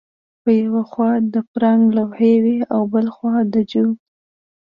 په یوه خوا د فرانک لوحې وې او بل خوا د جو